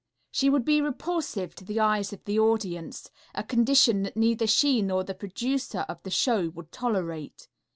She would be repulsive to the eyes of the audience, a condition that neither she nor the producer of the show would tolerate.